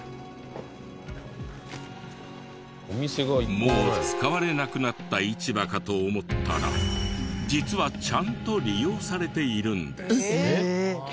もう使われなくなった市場かと思ったら実はちゃんと利用されているんです。